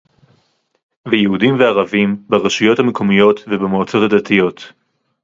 ויהודיים וערביים, ברשויות המקומיות ובמועצות הדתיות